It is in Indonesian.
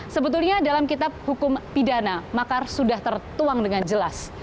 sebetulnya dalam kitab hukum pidana makar sudah tertuang dengan jelas